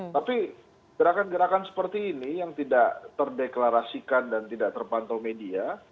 tapi gerakan gerakan seperti ini yang tidak terdeklarasikan dan tidak terpantau media